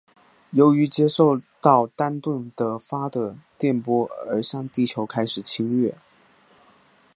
由于接受到丹顿的发的电波而向地球开始侵略。